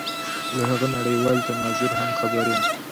له هغه نړېوال تناظر هم خبر یم.